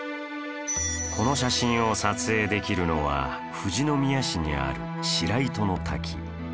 この写真を撮影できるのは富士宮市にある白糸ノ滝